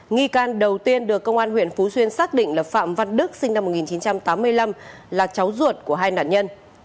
nghi can đầu tiên được công an huyện phú xuyên xác định là phạm văn đức sinh năm một nghìn chín trăm tám mươi năm là cháu ruột của hai nạn nhân